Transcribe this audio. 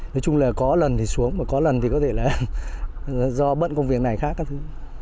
nói chung là có lần thì xuống mà có lần thì có thể là do bận công việc này khác các thứ